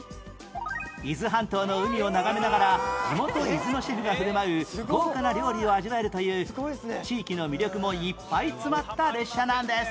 伊豆半島の海を眺めながら地元伊豆のシェフが振る舞う豪華な料理を味わえるという地域の魅力もいっぱい詰まった列車なんです